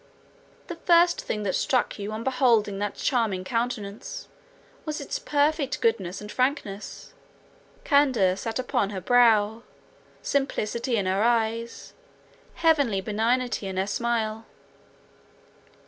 The first thing that struck you on beholding that charming countenance was its perfect goodness and frankness; candour sat upon her brow, simplicity in her eyes, heavenly benignity in her smile.